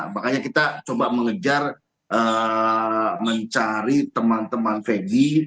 makanya kita coba mengejar mencari teman teman freddy